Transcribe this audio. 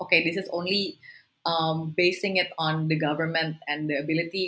oke ini hanya berdasarkan kekuatan dan kemampuan agensi kekuatan